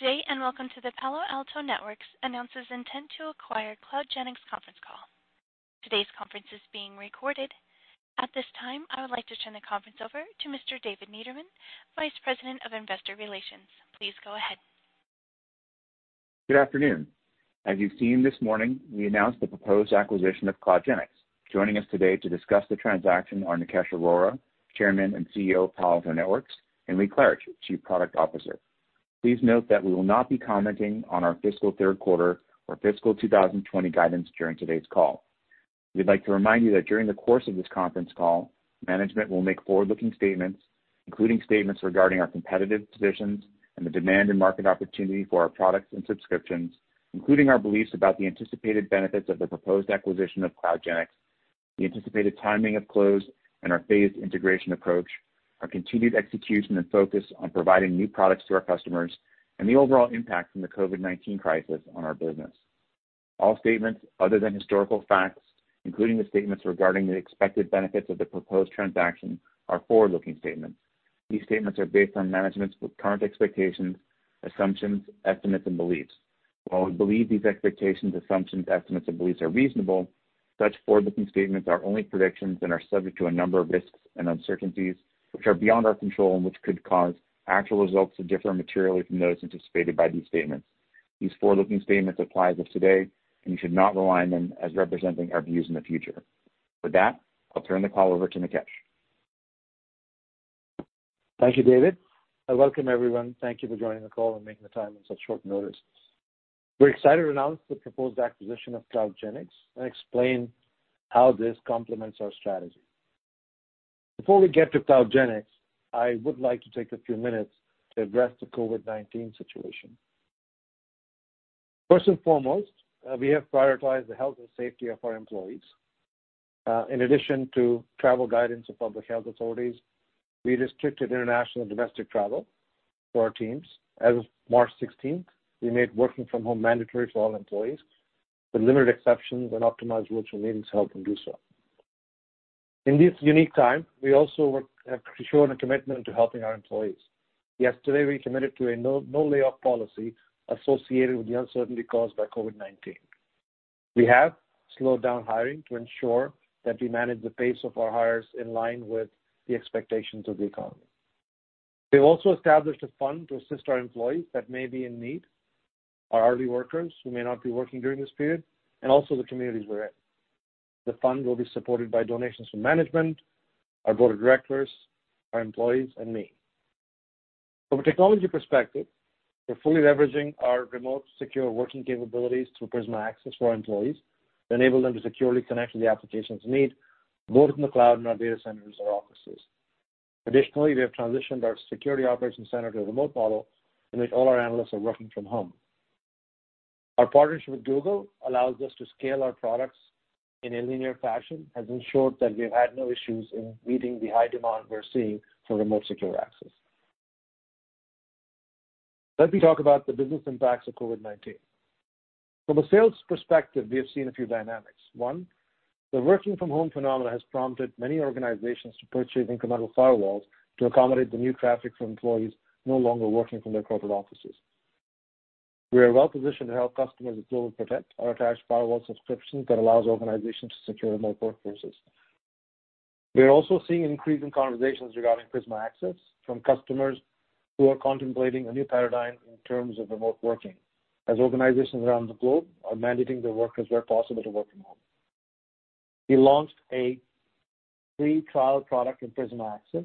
Good day, welcome to the Palo Alto Networks announces intent to acquire CloudGenix conference call. Today's conference is being recorded. At this time, I would like to turn the conference over to Mr. David Niederman, Vice President of Investor Relations. Please go ahead. Good afternoon. As you've seen this morning, we announced the proposed acquisition of CloudGenix. Joining us today to discuss the transaction are Nikesh Arora, Chairman and CEO of Palo Alto Networks, and Lee Klarich, Chief Product Officer. Please note that we will not be commenting on our fiscal third quarter or fiscal 2020 guidance during today's call. We'd like to remind you that during the course of this conference call, management will make forward-looking statements, including statements regarding our competitive positions and the demand and market opportunity for our products and subscriptions, including our beliefs about the anticipated benefits of the proposed acquisition of CloudGenix, the anticipated timing of close, and our phased integration approach, our continued execution and focus on providing new products to our customers, and the overall impact from the COVID-19 crisis on our business. All statements other than historical facts, including the statements regarding the expected benefits of the proposed transaction, are forward-looking statements. These statements are based on management's current expectations, assumptions, estimates, and beliefs. While we believe these expectations, assumptions, estimates, and beliefs are reasonable, such forward-looking statements are only predictions and are subject to a number of risks and uncertainties, which are beyond our control and which could cause actual results to differ materially from those anticipated by these statements. These forward-looking statements apply as of today, and you should not rely on them as representing our views in the future. With that, I'll turn the call over to Nikesh. Thank you David, and welcome everyone. Thank you for joining the call and making the time on such short notice. We're excited to announce the proposed acquisition of CloudGenix and explain how this complements our strategy. Before we get to CloudGenix, I would like to take a few minutes to address the COVID-19 situation. First and foremost, we have prioritized the health and safety of our employees. In addition to travel guidance of public health authorities, we restricted international domestic travel for our teams. As of March 16th, 2020 we made working from home mandatory for all employees, with limited exceptions and optimized virtual meetings held when due so. In this unique time, we also have shown a commitment to helping our employees. Yesterday, we committed to a no layoff policy associated with the uncertainty caused by COVID-19. We have slowed down hiring to ensure that we manage the pace of our hires in line with the expectations of the economy. We've also established a fund to assist our employees that may be in need, our hourly workers who may not be working during this period, and also the communities we're in. The fund will be supported by donations from management, our board of directors, our employees, and me. From a technology perspective, we're fully leveraging our remote secure working capabilities through Prisma Access for our employees to enable them to securely connect to the applications they need, both in the cloud and our data centers or offices. Additionally, we have transitioned our security operations center to a remote model in which all our analysts are working from home. Our partnership with Google allows us to scale our products in a linear fashion, has ensured that we've had no issues in meeting the high demand we're seeing for remote secure access. Let me talk about the business impacts of COVID-19. From a sales perspective, we have seen a few dynamics. One, the working from home phenomena has prompted many organizations to purchase incremental firewalls to accommodate the new traffic from employees no longer working from their corporate offices. We are well positioned to help customers with GlobalProtect, our attached firewall subscription that allows organizations to secure remote workforces. We are also seeing an increase in conversations regarding Prisma Access from customers who are contemplating a new paradigm in terms of remote working, as organizations around the globe are mandating their workers where possible to work from home. We launched a free trial product in Prisma Access.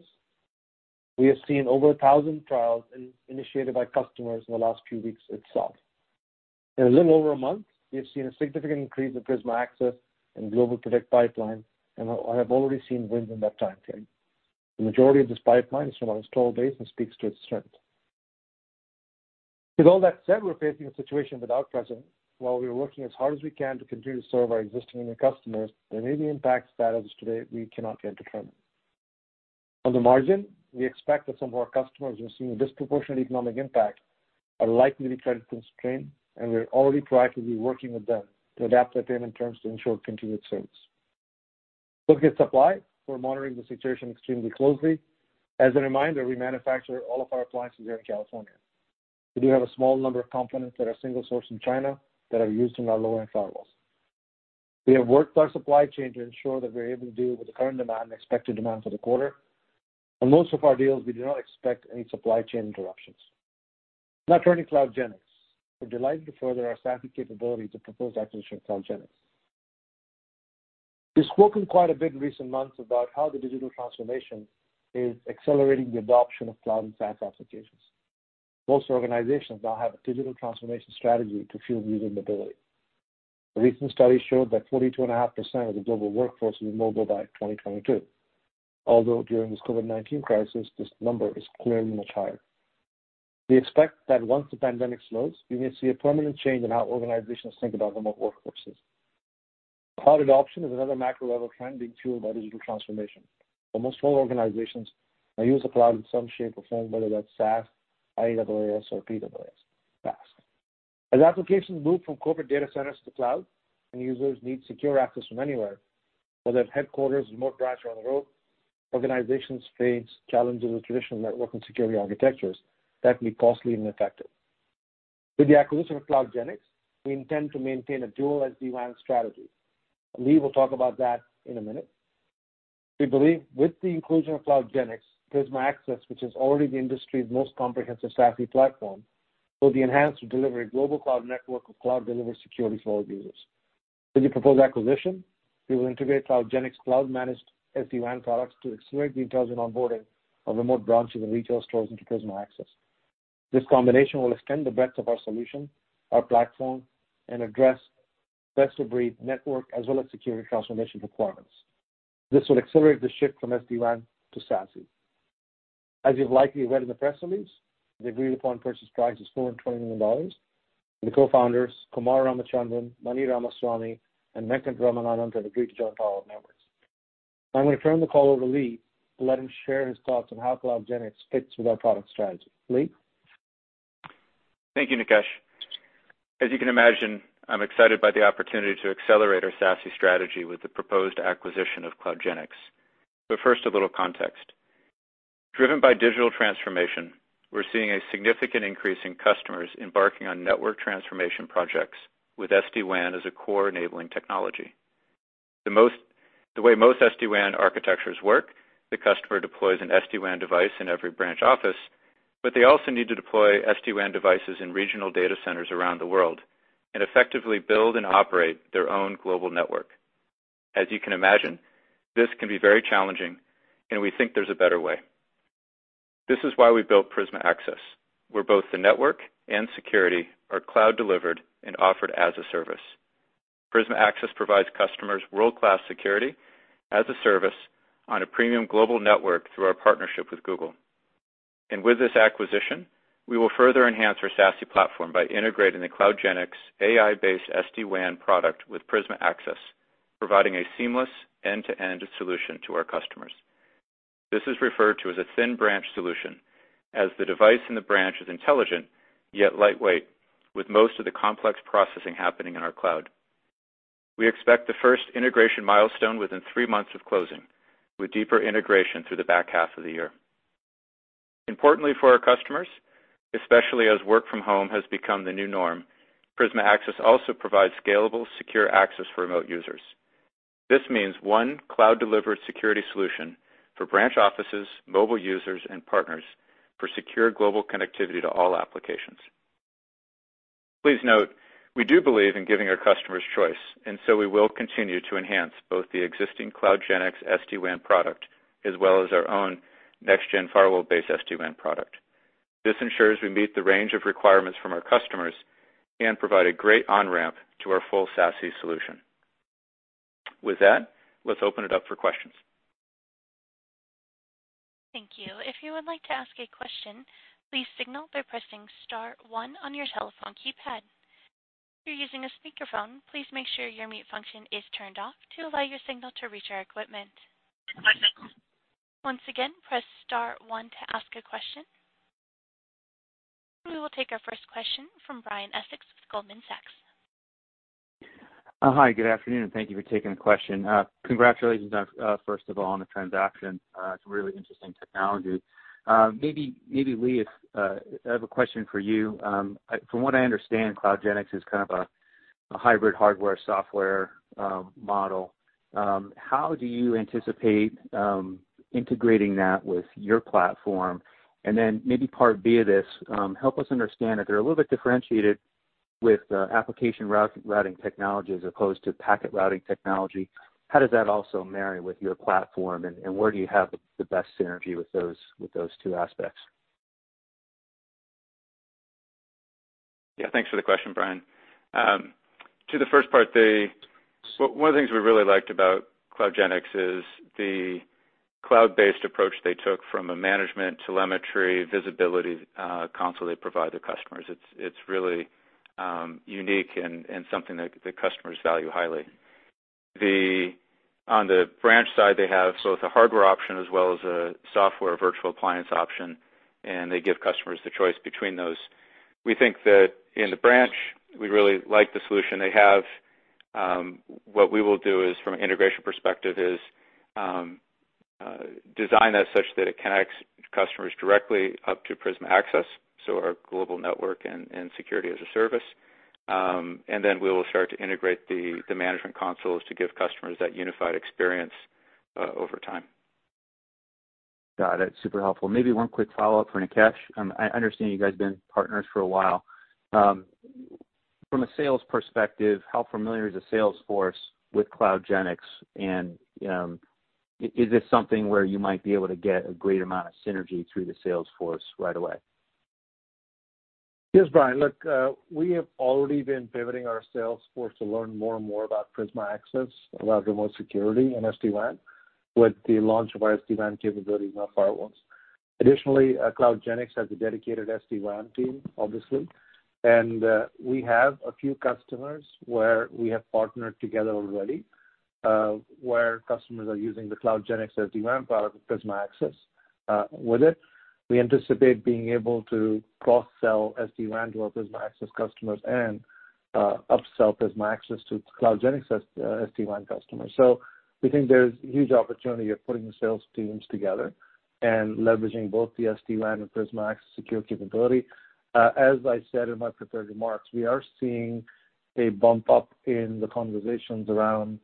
We have seen over 1,000 trials initiated by customers in the last few weeks itself. In a little over a month, we have seen a significant increase in Prisma Access and GlobalProtect pipeline, and I have already seen wins in that time frame. The majority of this pipeline is from our installed base and speaks to its strength. With all that said, we're facing a situation without precedent. While we are working as hard as we can to continue to serve our existing and new customers, there may be impacts that as of today we cannot yet determine. On the margin, we expect that some of our customers who are seeing a disproportionate economic impact are likely to be credit constrained, and we're already proactively working with them to adapt their payment terms to ensure continued service. Looking at supply, we're monitoring the situation extremely closely. As a reminder, we manufacture all of our appliances here in California. We do have a small number of components that are single sourced from China that are used in our lower-end firewalls. We have worked with our supply chain to ensure that we're able to deal with the current demand and expected demand for the quarter. On most of our deals, we do not expect any supply chain interruptions. Now turning to CloudGenix. We're delighted to further our SaaS capability to propose the acquisition of CloudGenix. We've spoken quite a bit in recent months about how the digital transformation is accelerating the adoption of cloud and SaaS applications. Most organizations now have a digital transformation strategy to fuel user mobility. A recent study showed that 42.5% of the global workforce will be mobile by 2022. Although during this COVID-19 crisis, this number is clearly much higher. We expect that once the pandemic slows, we may see a permanent change in how organizations think about remote workforces. Cloud adoption is another macro level trend being fueled by digital transformation. Almost all organizations now use the cloud in some shape or form, whether that's SaaS, IaaS, or PaaS. As applications move from corporate data centers to cloud and users need secure access from anywhere, whether at headquarters, remote branch, or on the road, organizations face challenges with traditional network and security architectures that can be costly and ineffective. With the acquisition of CloudGenix, we intend to maintain a dual SD-WAN strategy. Lee will talk about that in a minute. We believe with the inclusion of CloudGenix, Prisma Access, which is already the industry's most comprehensive SASE platform, will be enhanced to deliver a global cloud network of cloud-delivered security for all users. With the proposed acquisition, we will integrate CloudGenix cloud-managed SD-WAN products to accelerate the intelligent onboarding of remote branches and retail stores into Prisma Access. This combination will extend the breadth of our solution, our platform, and address best-of-breed network as well as security transformation requirements. This will accelerate the shift from SD-WAN to SASE. As you've likely read in the press release, the agreed-upon purchase price is $420 million. The co-founders, Kumar Ramachandran, Mani Ramasamy, and Venkataraman Anand, have agreed to join Palo Alto Networks. I'm going to turn the call over to Lee to let him share his thoughts on how CloudGenix fits with our product strategy. Lee? Thank you, Nikesh. As you can imagine, I'm excited by the opportunity to accelerate our SASE strategy with the proposed acquisition of CloudGenix. First, a little context. Driven by digital transformation, we're seeing a significant increase in customers embarking on network transformation projects with SD-WAN as a core-enabling technology. The way most SD-WAN architectures work, the customer deploys an SD-WAN device in every branch office, but they also need to deploy SD-WAN devices in regional data centers around the world and effectively build and operate their own global network. As you can imagine, this can be very challenging, and we think there's a better way. This is why we built Prisma Access, where both the network and security are cloud delivered and offered as a service. Prisma Access provides customers world-class security as a service on a premium global network through our partnership with Google. With this acquisition, we will further enhance our SASE platform by integrating the CloudGenix AI-based SD-WAN product with Prisma Access, providing a seamless end-to-end solution to our customers. This is referred to as a thin branch solution, as the device in the branch is intelligent yet lightweight, with most of the complex processing happening in our cloud. We expect the first integration milestone within three months of closing, with deeper integration through the back half of the year. Importantly for our customers, especially as work from home has become the new norm, Prisma Access also provides scalable, secure access for remote users. This means one cloud-delivered security solution for branch offices, mobile users, and partners for secure global connectivity to all applications. Please note, we do believe in giving our customers choice, and so we will continue to enhance both the existing CloudGenix SD-WAN product as well as our own next-gen firewall-based SD-WAN product. This ensures we meet the range of requirements from our customers and provide a great on-ramp to our full SASE solution. With that, let's open it up for questions. Thank you. If you would like to ask a question, please signal by pressing star one on your telephone keypad. If you're using a speakerphone, please make sure your mute function is turned off to allow your signal to reach our equipment. Once again, press star one to ask a question. We will take our first question from Brian Essex with Goldman Sachs. Hi, good afternoon, and thank you for taking the question. Congratulations, first of all, on the transaction. It's a really interesting technology. Maybe Lee, I have a question for you. From what I understand, CloudGenix is kind of a hybrid hardware-software model. How do you anticipate integrating that with your platform? Then maybe part B of this, help us understand that they're a little bit differentiated with application routing technology as opposed to packet routing technology. Where do you have the best synergy with those two aspects? Yeah, thanks for the question, Brian. To the first part, one of the things we really liked about CloudGenix is the cloud-based approach they took from a management telemetry visibility console they provide their customers. It's really unique and something that the customers value highly. On the branch side, they have both a hardware option as well as a software virtual appliance option, and they give customers the choice between those. We think that in the branch, we really like the solution they have. What we will do is, from an integration perspective, is design that such that it connects customers directly up to Prisma Access, so our global network and security as a service. Then we will start to integrate the management consoles to give customers that unified experience over time. Got it. Super helpful. Maybe one quick follow-up for Nikesh. I understand you guys have been partners for a while. From a sales perspective, how familiar is the sales force with CloudGenix, and is this something where you might be able to get a great amount of synergy through the sales force right away? Yes, Brian. Look, we have already been pivoting our sales force to learn more and more about Prisma Access, about remote security and SD-WAN with the launch of our SD-WAN capabilities and our firewalls. Additionally, CloudGenix has a dedicated SD-WAN team, obviously, and we have a few customers where we have partnered together already. Where customers are using the CloudGenix SD-WAN product, Prisma Access with it. We anticipate being able to cross-sell SD-WAN to our Prisma Access customers and up-sell Prisma Access to CloudGenix SD-WAN customers. We think there's huge opportunity of putting the sales teams together and leveraging both the SD-WAN and Prisma Access secure capability. As I said in my prepared remarks, we are seeing a bump up in the conversations around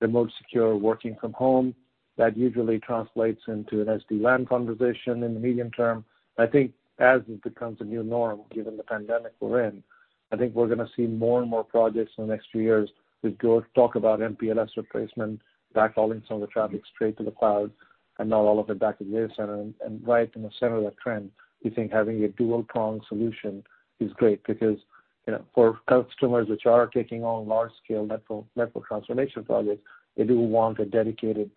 remote secure working from home. That usually translates into an SD-WAN conversation in the medium term. I think as it becomes a new norm, given the pandemic we're in, I think we're going to see more and more projects in the next few years that talk about MPLS replacement, backhauling some of the traffic straight to the cloud and not all of it back at data center. Right in the center of that trend, we think having a dual-prong solution is great because for customers which are taking on large scale network transformation projects, they do want a dedicated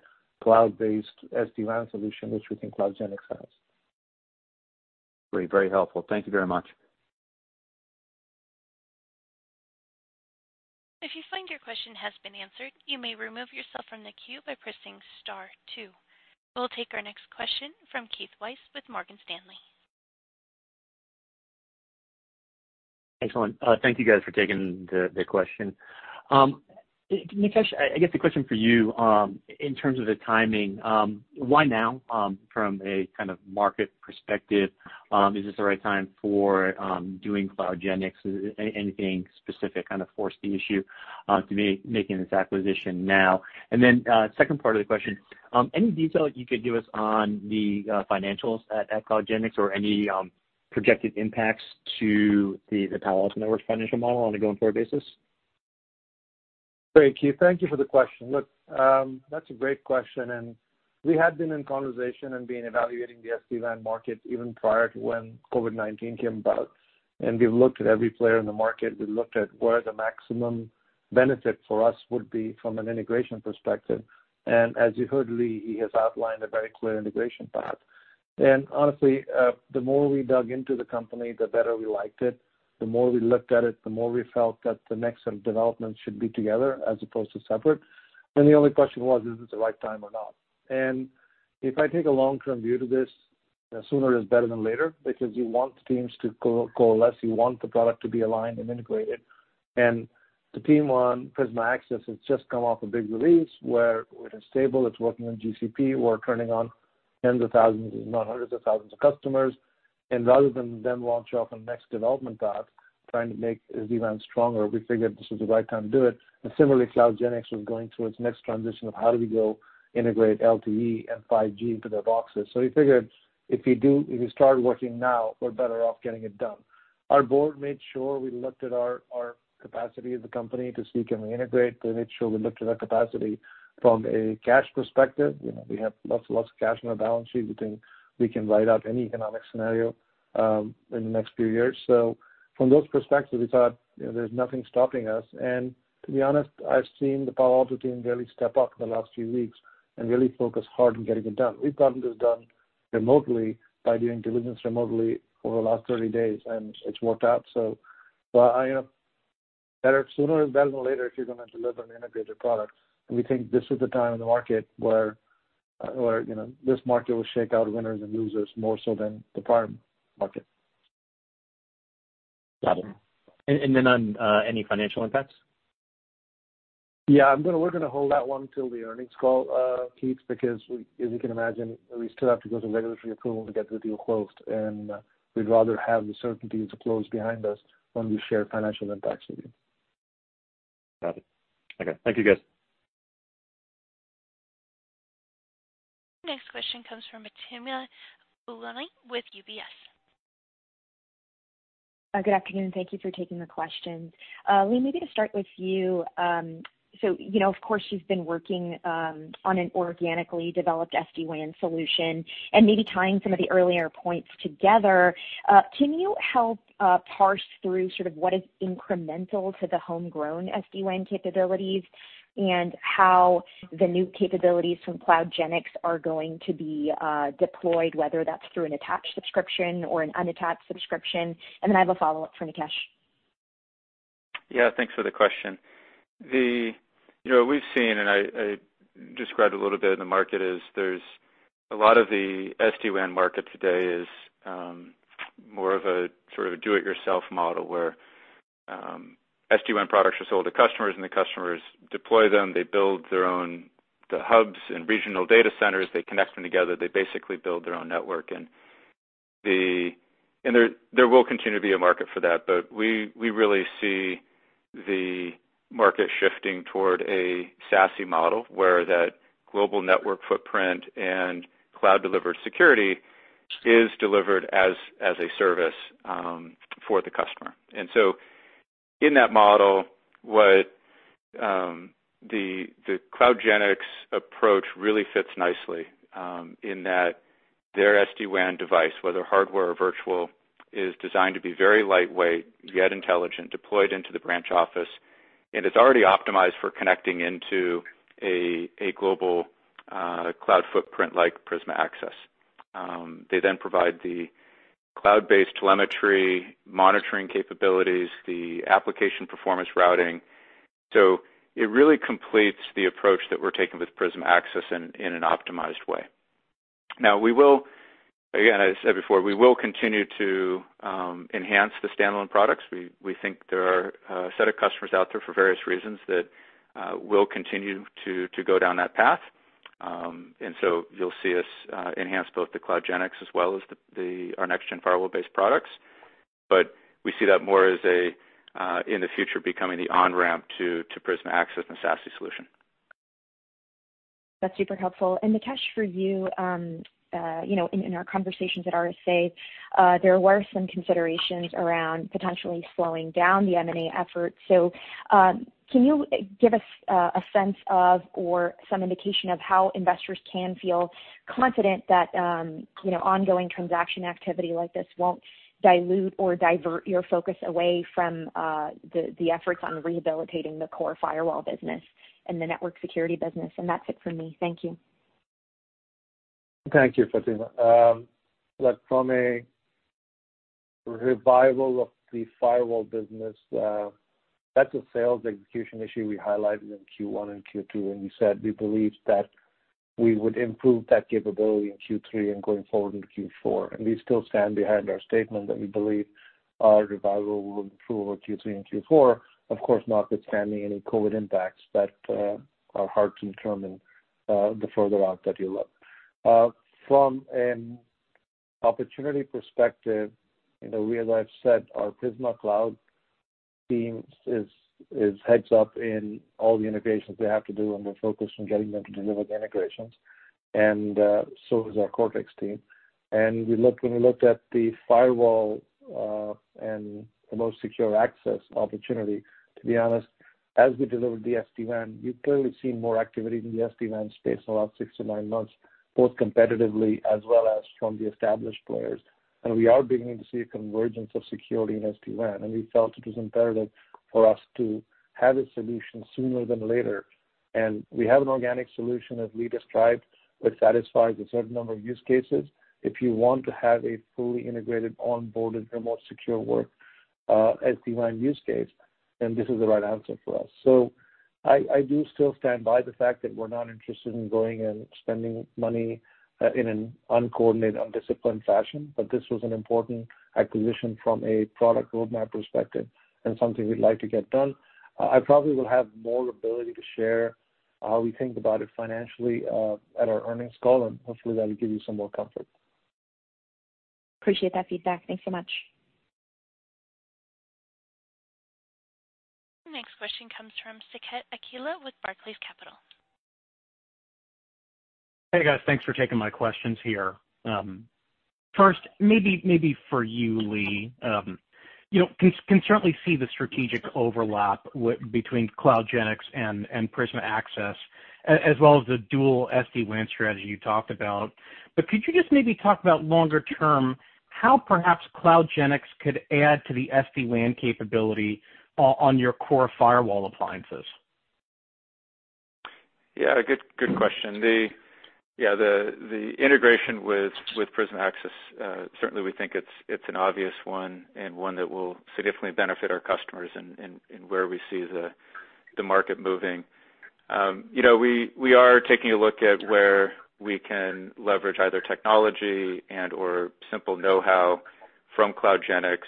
cloud-based SD-WAN solution, which we think CloudGenix has. Great. Very helpful. Thank you very much. If you find your question has been answered, you may remove yourself from the queue by pressing star two. We'll take our next question from Keith Weiss with Morgan Stanley. Excellent. Thank you guys for taking the question. Nikesh, I guess the question for you, in terms of the timing, why now from a kind of market perspective? Is this the right time for doing CloudGenix? Anything specific kind of forced the issue to be making this acquisition now? Then, second part of the question, any detail you could give us on the financials at CloudGenix or any projected impacts to the Palo Alto Networks financial model on a going-forward basis? Great, Keith. Thank you for the question. Look, that's a great question, and we had been in conversation and been evaluating the SD-WAN market even prior to when COVID-19 came about. We've looked at every player in the market. We looked at where the maximum benefit for us would be from an integration perspective. As you heard Lee, he has outlined a very clear integration path. Honestly, the more we dug into the company, the better we liked it. The more we looked at it, the more we felt that the next set of developments should be together as opposed to separate. The only question was, is it the right time or not? If I take a long-term view to this, sooner is better than later because you want teams to coalesce. You want the product to be aligned and integrated. The team on Prisma Access has just come off a big release where it is stable, it's working on GCP. We're turning on 10s of thousands, if not hundreds of thousands of customers. Rather than then launch off a next development path trying to make SD-WAN stronger, we figured this was the right time to do it. Similarly, CloudGenix was going through its next transition of how do we go integrate LTE and 5G into their boxes. We figured if we start working now, we're better off getting it done. Our board made sure we looked at our capacity as a company to see can we integrate. They made sure we looked at our capacity from a cash perspective. We have lots and lots of cash on our balance sheet. We think we can ride out any economic scenario in the next few years. From those perspectives, we thought there's nothing stopping us. To be honest, I've seen the Palo Alto team really step up in the last few weeks and really focus hard on getting it done. We've gotten this done remotely by doing diligence remotely over the last 30 days, and it's worked out so well. I am better sooner is better than later if you're going to deliver an integrated product. We think this is the time in the market where this market will shake out winners and losers more so than the prior market. Got it. Then on any financial impacts? Yeah, we're going to hold that one till the earnings call, Keith, because as you can imagine, we still have to go through regulatory approval to get the deal closed, and we'd rather have the certainty of the close behind us when we share financial impacts with you. Got it. Okay. Thank you, guys. Next question comes from Fatima Boolani with UBS. Good afternoon. Thank you for taking the questions. Lee, maybe to start with you. Of course, you've been working on an organically developed SD-WAN solution and maybe tying some of the earlier points together. Can you help parse through sort of what is incremental to the homegrown SD-WAN capabilities and how the new capabilities from CloudGenix are going to be deployed, whether that's through an attached subscription or an unattached subscription? Then I have a follow-up for Nikesh. Thanks for the question. We've seen, and I described a little bit in the market, is there's a lot of the SD-WAN market today is more of a sort of do-it-yourself model, where SD-WAN products are sold to customers. The customers deploy them. They build their own hubs and regional data centers. They connect them together. They basically build their own network. There will continue to be a market for that. We really see the market shifting toward a SASE model where that global network footprint and cloud delivered security is delivered as a service for the customer. In that model, what the CloudGenix approach really fits nicely in that their SD-WAN device, whether hardware or virtual, is designed to be very lightweight, yet intelligent, deployed into the branch office, and it's already optimized for connecting into a global cloud footprint like Prisma Access. They then provide the cloud-based telemetry monitoring capabilities, the application performance routing. It really completes the approach that we're taking with Prisma Access in an optimized way. Again, as I said before, we will continue to enhance the standalone products. We think there are a set of customers out there for various reasons that will continue to go down that path. You'll see us enhance both the CloudGenix as well as our next-gen firewall based products. We see that more as in the future becoming the on-ramp to Prisma Access and the SASE solution. That's super helpful. Nikesh, for you, in our conversations at RSA, there were some considerations around potentially slowing down the M&A efforts. Can you give us a sense of or some indication of how investors can feel confident that ongoing transaction activity like this won't dilute or divert your focus away from the efforts on rehabilitating the core firewall business and the network security business? That's it for me. Thank you. Thank you, Fatima. Look, from a revival of the firewall business, that's a sales execution issue we highlighted in Q1 and Q2 when we said we believed that we would improve that capability in Q3 and going forward into Q4. We still stand behind our statement that we believe our revival will improve over Q3 and Q4, of course, notwithstanding any COVID impacts that are hard to determine the further out that you look. From an opportunity perspective, as I've said, our Prisma Cloud team is heads up in all the integrations they have to do, and we're focused on getting them to deliver the integrations. So is our Cortex team. When we looked at the firewall and remote secure access opportunity, to be honest, as we delivered the SD-WAN, you've clearly seen more activity in the SD-WAN space in the last six to nine months, both competitively as well as from the established players. We are beginning to see a convergence of security in SD-WAN, and we felt it was imperative for us to have a solution sooner than later. We have an organic solution that Lee described that satisfies a certain number of use cases. If you want to have a fully integrated onboarded remote secure work SD-WAN use case, this is the right answer for us. I do still stand by the fact that we're not interested in going and spending money in an uncoordinated, undisciplined fashion. This was an important acquisition from a product roadmap perspective and something we'd like to get done. I probably will have more ability to share how we think about it financially at our earnings call, and hopefully that'll give you some more comfort. Appreciate that feedback. Thanks so much. Next question comes from Saket Kalia with Barclays Capital. Hey, guys. Thanks for taking my questions here. First, maybe for you, Lee. Can certainly see the strategic overlap between CloudGenix and Prisma Access, as well as the dual SD-WAN strategy you talked about. Could you just maybe talk about longer term, how perhaps CloudGenix could add to the SD-WAN capability on your core firewall appliances? Yeah, good question. The integration with Prisma Access, certainly we think it's an obvious one and one that will significantly benefit our customers in where we see the market moving. We are taking a look at where we can leverage either technology and/or simple know-how from CloudGenix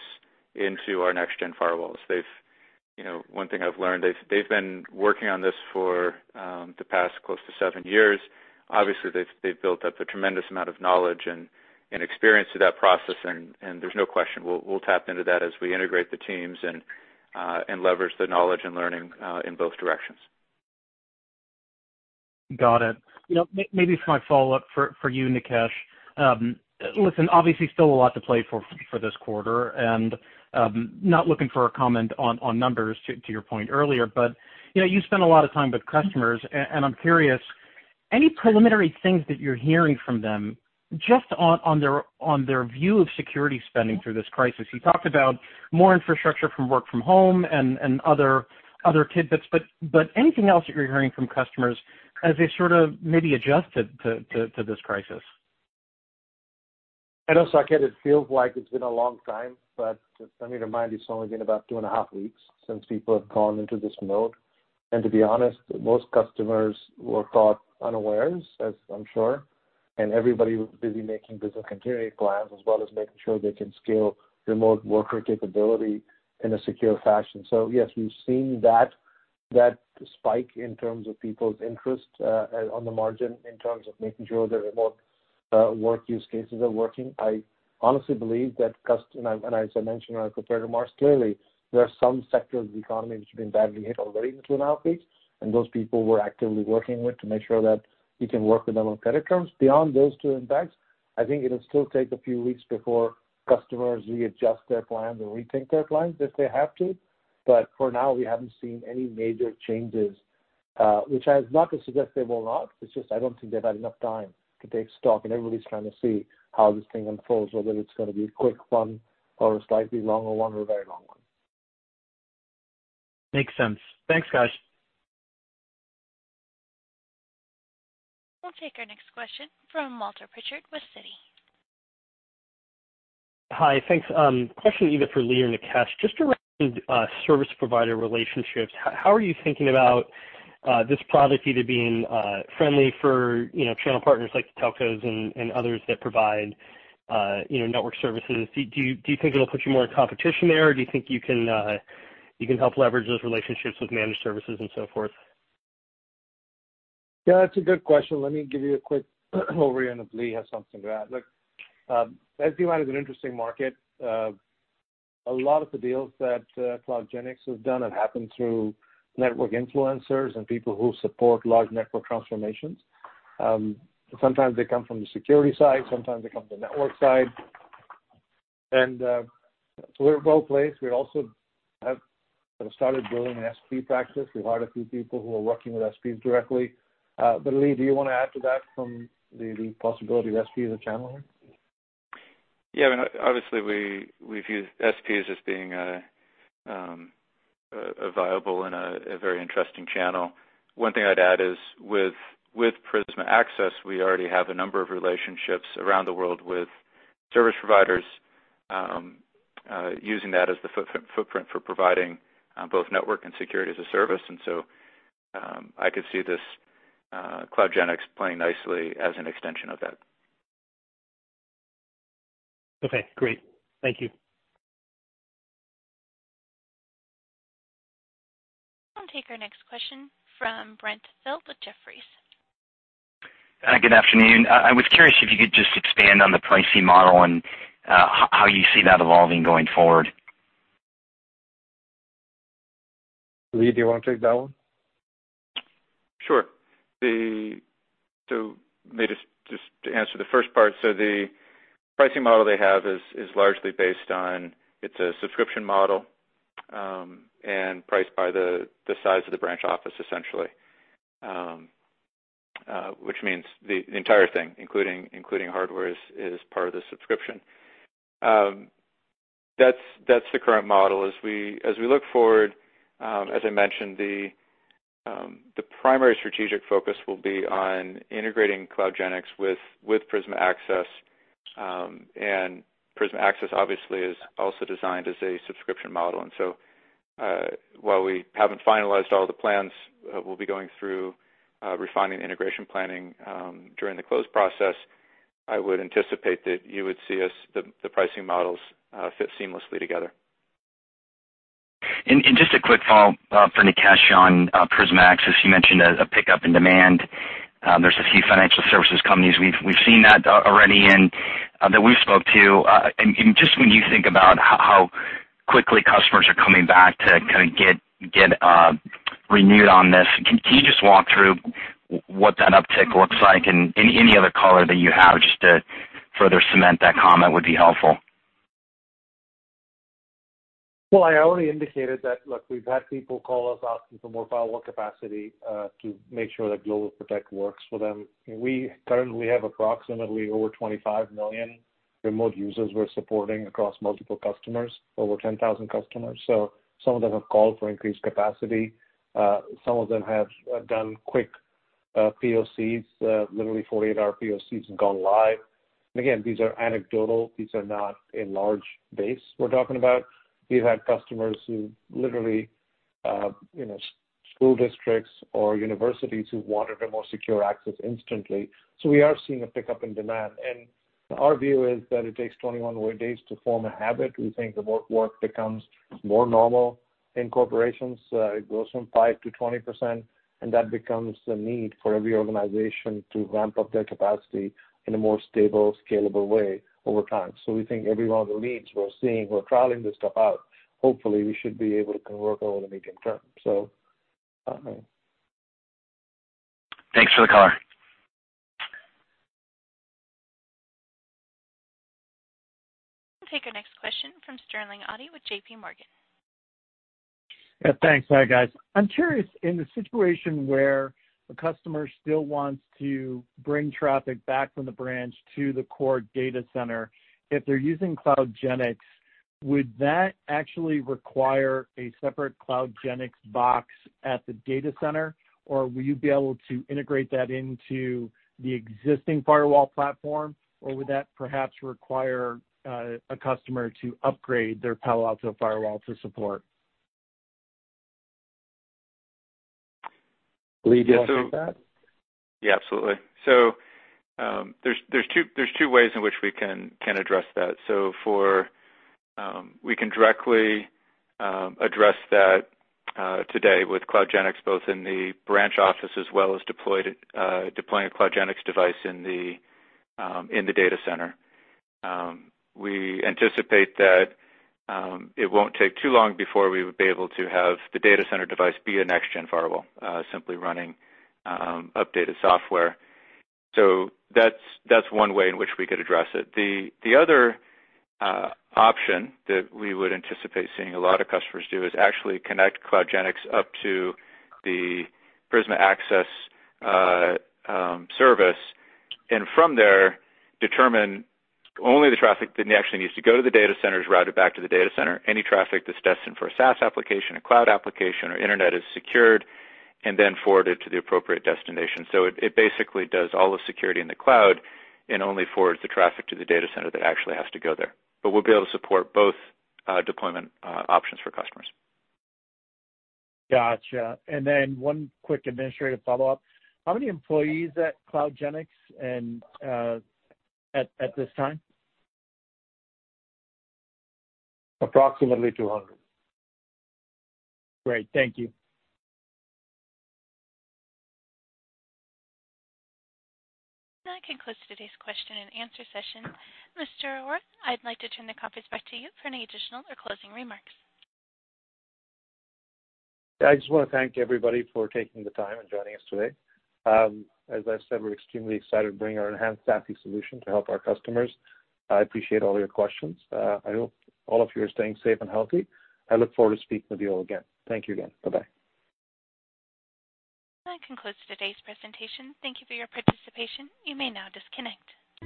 into our next-gen firewalls. One thing I've learned, they've been working on this for the past close to seven years. Obviously, they've built up a tremendous amount of knowledge and experience through that process, and there's no question we'll tap into that as we integrate the teams and leverage the knowledge and learning in both directions. Got it. Maybe my follow-up for you, Nikesh. Obviously, still a lot to play for this quarter, and not looking for a comment on numbers to your point earlier. You spend a lot of time with customers, and I'm curious, any preliminary things that you're hearing from them just on their view of security spending through this crisis? You talked about more infrastructure from work from home and other tidbits, but anything else that you're hearing from customers as they sort of maybe adjust to this crisis? I know, Saket, it feels like it's been a long time, just something to mind, it's only been about two and a half weeks since people have gone into this mode. To be honest, most customers were caught unawares, as I'm sure, and everybody was busy making business continuity plans, as well as making sure they can scale remote worker capability in a secure fashion. Yes, we've seen that spike in terms of people's interest on the margin in terms of making sure their remote work use cases are working. I honestly believe that as I mentioned in our prepared remarks, clearly there are some sectors of the economy which have been badly hit already in two and a half weeks, and those people we're actively working with to make sure that we can work with them on credit terms. Beyond those two impacts, I think it'll still take a few weeks before customers readjust their plans or rethink their plans if they have to. For now, we haven't seen any major changes, which is not to suggest they will not. It's just I don't think they've had enough time to take stock. Everybody's trying to see how this thing unfolds, whether it's going to be a quick one or a slightly longer one or a very long one. Makes sense. Thanks, guys. Take our next question from Walter Pritchard with Citi. Hi. Thanks. Question either for Lee or Nikesh, just around service provider relationships. How are you thinking about this product either being friendly for channel partners like the telcos and others that provide network services? Do you think it'll put you more in competition there, or do you think you can help leverage those relationships with managed services and so forth? Yeah, that's a good question. Let me give you a quick overview, and if Lee has something to add. Look, SD-WAN is an interesting market. A lot of the deals that CloudGenix has done have happened through network influencers and people who support large network transformations. Sometimes they come from the security side, sometimes they come from the network side. We're well-placed. We also have sort of started building an SP practice. We've hired a few people who are working with SPs directly. Lee, do you want to add to that from the possibility of SP as a channel? Yeah. I mean, obviously, we view SPs as being a viable and a very interesting channel. One thing I'd add is with Prisma Access, we already have a number of relationships around the world with service providers using that as the footprint for providing both network and security as a service. I could see this CloudGenix playing nicely as an extension of that. Okay, great. Thank you. I'll take our next question from Brent Thill with Jefferies. Good afternoon. I was curious if you could just expand on the pricing model and how you see that evolving going forward. Lee, do you want to take that one? Sure. Maybe just to answer the first part, the pricing model they have is largely based on, it's a subscription model, and priced by the size of the branch office, essentially, which means the entire thing, including hardware, is part of the subscription. That's the current model. As we look forward, as I mentioned, the primary strategic focus will be on integrating CloudGenix with Prisma Access. Prisma Access obviously is also designed as a subscription model. While we haven't finalized all the plans, we'll be going through refining the integration planning during the close process. I would anticipate that you would see the pricing models fit seamlessly together. Just a quick follow-up for Nikesh on Prisma Access. You mentioned a pickup in demand. There's a few financial services companies we've seen that already that we've spoke to. Just when you think about how quickly customers are coming back to kind of get renewed on this, can you just walk through what that uptick looks like and any other color that you have just to further cement that comment would be helpful? Well, I already indicated that, look, we've had people call us asking for more firewall capacity to make sure that GlobalProtect works for them. We currently have approximately over 25 million remote users we're supporting across multiple customers, over 10,000 customers. Some of them have called for increased capacity. Some of them have done quick POCs, literally 48-hour POCs and gone live. Again, these are anecdotal. These are not a large base we're talking about. We've had customers who literally, school districts or universities who wanted a more secure access instantly. We are seeing a pickup in demand. Our view is that it takes 21 work days to form a habit. We think remote work becomes more normal in corporations. It goes from 5%-20%, that becomes a need for every organization to ramp up their capacity in a more stable, scalable way over time. We think every one of the leads we're seeing who are trialing this stuff out, hopefully we should be able to convert over the medium term. Thanks for the color. Take our next question from Sterling Auty with JP Morgan. Yeah, thanks. Hi, guys. I'm curious, in the situation where a customer still wants to bring traffic back from the branch to the core data center, if they're using CloudGenix, would that actually require a separate CloudGenix box at the data center, or will you be able to integrate that into the existing firewall platform? Would that perhaps require a customer to upgrade their Palo Alto firewall to support? Lee, do you want to take that? Yeah, absolutely. There's two ways in which we can address that. We can directly address that today with CloudGenix, both in the branch office as well as deploying a CloudGenix device in the data center. We anticipate that it won't take too long before we would be able to have the data center device be a next-gen firewall, simply running updated software. That's one way in which we could address it. The other option that we would anticipate seeing a lot of customers do is actually connect CloudGenix up to the Prisma Access service. From there, determine only the traffic that actually needs to go to the data center is routed back to the data center. Any traffic that's destined for a SaaS application, a cloud application, or internet is secured and then forwarded to the appropriate destination. It basically does all the security in the cloud and only forwards the traffic to the data center that actually has to go there. We'll be able to support both deployment options for customers. Gotcha. One quick administrative follow-up. How many employees at CloudGenix at this time? Approximately 200. Great. Thank you. That concludes today's question and answer session. Mr. Arora, I'd like to turn the conference back to you for any additional or closing remarks. I just want to thank everybody for taking the time and joining us today. As I said, we're extremely excited to bring our enhanced SASE solution to help our customers. I appreciate all your questions. I hope all of you are staying safe and healthy. I look forward to speaking with you all again. Thank you again. Bye-bye. That concludes today's presentation. Thank you for your participation. You may now disconnect.